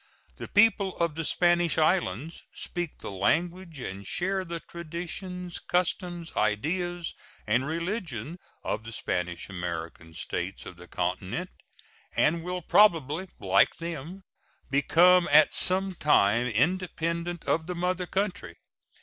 The people of the Spanish islands speak the language and share the traditions, customs, ideas, and religion of the Spanish American States of the continent, and will probably, like them, become at some time independent of the mother country.